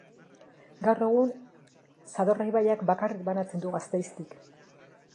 Gaur egun Zadorra ibaiak bakarrik banatzen du Gasteiztik.